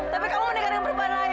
tapi kamu meninggalkan perempuan lain